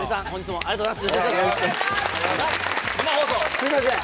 すみません。